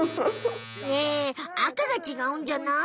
ねえあかがちがうんじゃない？